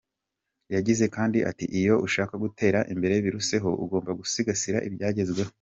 Yagize kandi ati,"Iyo ushaka gutera imbere biruseho ugomba gusigasira ibyagezweho.